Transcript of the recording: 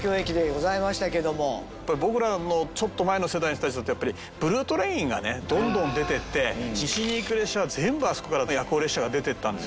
僕らのちょっと前の世代の人たちにとってブルートレインがねどんどん出てって西に行く列車は全部あそこから夜行列車が出てったんですよね。